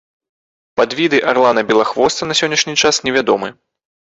Падвіды арлана-белахвоста на сённяшні час невядомы.